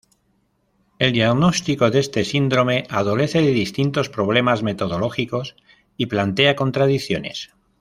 El diagnóstico de este síndrome adolece de distintos problemas metodológicos y plantea contradicciones.